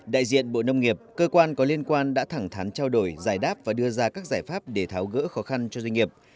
đại diện bộ nông nghiệp cơ quan có liên quan đã thẳng thắn trao đổi giải đáp và đưa ra các giải pháp để tháo gỡ khó khăn cho doanh nghiệp